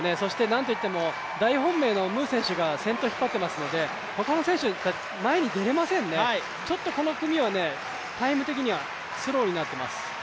なんといっても大本命のムー選手が先頭を引っ張ってますので、他の選手、前に出れませんね、ちょっとこの組はタイム的にはスローになってます。